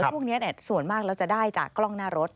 พวกนี้ส่วนมากเราจะได้จากกล้องหน้ารถ